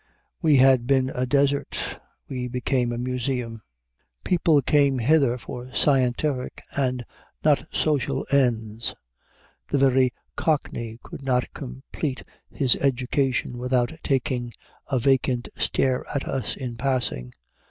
We had been a desert, we became a museum. People came hither for scientific and not social ends. The very cockney could not complete his education without taking a vacant stare at us in passing.